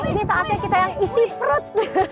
ini saatnya kita yang isi perut